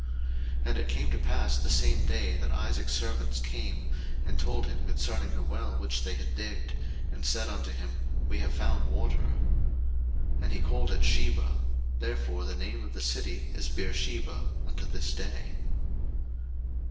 01:026:032 And it came to pass the same day, that Isaac's servants came, and told him concerning the well which they had digged, and said unto him, We have found water. 01:026:033 And he called it Shebah: therefore the name of the city is Beersheba unto this day.